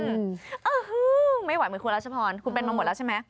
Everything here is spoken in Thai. อื้อฮือไม่ไหวมันควรแล้วเฉพาะคุณเป็นมาหมดแล้วใช่ไหม